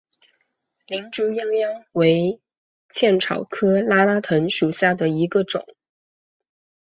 林猪殃殃为茜草科拉拉藤属下的一个种。